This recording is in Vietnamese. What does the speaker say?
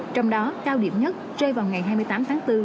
trong đó cao điểm nhất rơi vào ngày hai mươi tám tháng bốn